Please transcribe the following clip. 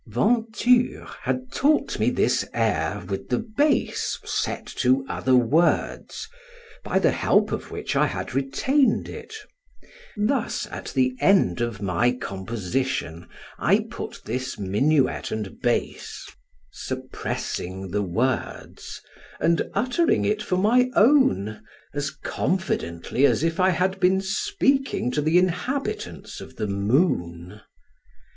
&'c. Venture had taught me this air with the bass, set to other words, by the help of which I had retained it: thus at the end of my composition, I put this minuet and bass, suppressing the words, and uttering it for my own as confidently as if I had been speaking to the inhabitants of the moon.